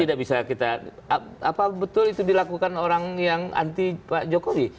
tidak bisa kita apa betul itu dilakukan orang yang anti pak jokowi